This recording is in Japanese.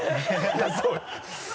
いやそうよ。